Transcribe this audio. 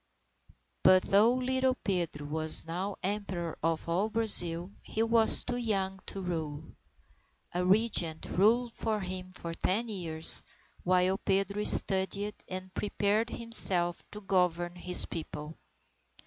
But though little Pedro was now Emperor of all Brazil, he was too young to rule. A Regent ruled for him for ten years, while Pedro studied and prepared himself to govern his People.